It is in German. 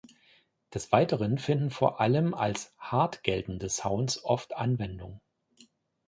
Des Weiteren finden vor allem als „hart“ geltende Sounds oft Anwendung.